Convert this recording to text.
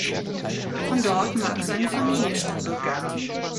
Von dort mag seine Familie stammen.